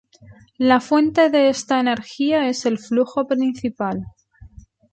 La fuente de esta energía es el flujo principal.